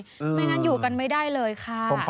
ไม่งั้นอยู่กันไม่ได้เลยค่ะ